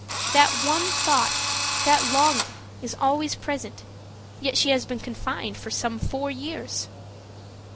That one thought, that longing, is always present, yet she has been confined some four years.